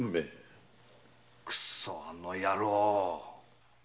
くそっあの野郎！